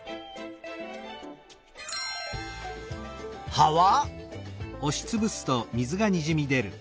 葉は？